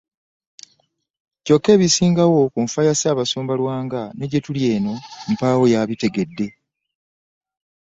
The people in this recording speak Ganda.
Kyokka ebisingawo ku nfa ya Ssaabasumba Lwanga ne gyebuli eno mpaawo yaabitegedde.